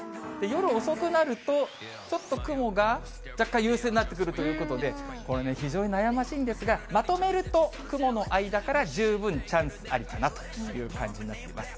夜遅くなると、ちょっと雲が若干優勢になってくるということで、非常に悩ましいんですが、まとめると雲の間から十分チャンスありかなという感じになっています。